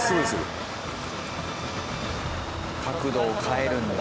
角度を変えるんだ。